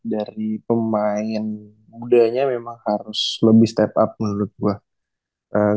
dari pemain mudanya memang harus lebih step up menurut gue